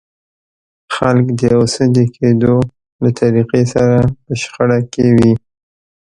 خلک د يو څه د کېدو له طريقې سره په شخړه کې وي.